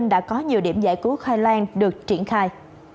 đã có nhiều điểm giải cứu khoai lang được triển khai